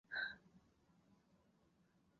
湖水主要依靠东部入湖的卡挖臧布补给。